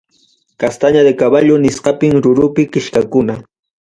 Castaña de caballo nisqapim rurupi kichkakuna.